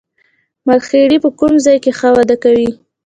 مرخیړي په کوم ځای کې ښه وده کوي